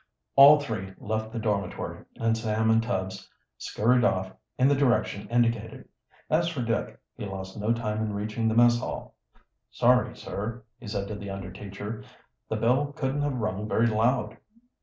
All three left the dormitory, and Sam and Tubbs scurried off in the direction indicated. As for Dick, he lost no time in reaching the mess hall. "Sorry, sir," he said to the under teacher. "The bell couldn't have rung very loud."